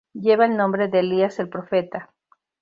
Lleva el nombre de Elías el profeta.